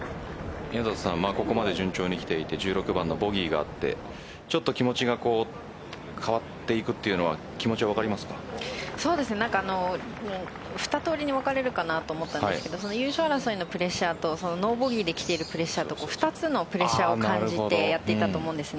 ここまで順調にきていて１６番のボギーがあってちょっと気持ちが変わっていくというのは二通りに分かれるかなと思ったんですけど優勝争いのプレッシャーとノーボギーできているプレッシャーと２つのプレッシャーを感じてやっていたと思うんです。